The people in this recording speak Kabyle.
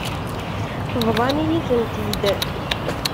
Bḍan-iyi-tent-id.